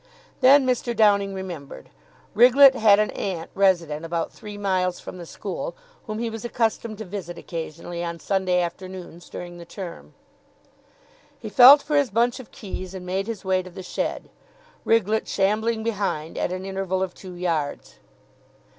Then Mr. Downing remembered. Riglett had an aunt resident about three miles from the school, whom he was accustomed to visit occasionally on Sunday afternoons during the term. He felt for his bunch of keys, and made his way to the shed, Riglett shambling behind at an interval of two yards.